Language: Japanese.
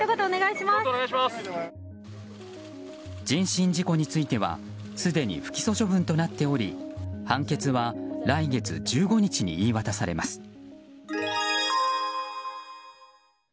人身事故についてはすでに不起訴処分となっており判決は来月１５日に言い渡されます。